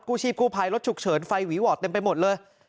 ชีพกู้ภัยรถฉุกเฉินไฟหวีวอร์ดเต็มไปหมดเลย